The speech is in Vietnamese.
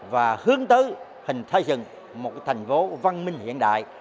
và hướng tới hình thay dựng một thành phố văn minh hiện đại